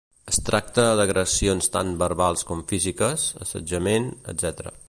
Es tracta d'agressions tant verbals com físiques, assetjament, etc.